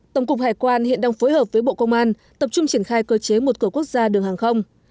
tổng cục hải quan hiện đang phối hợp với bộ công an tập trung triển khai cơ chế một cửa quốc gia đường hàng không